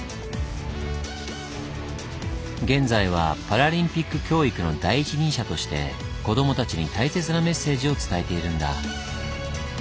現在はパラリンピック教育の第一人者として子供たちに大切なメッセージを伝えているんだ。